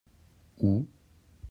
Où ?